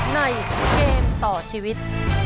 ในเกมต่อชีวิต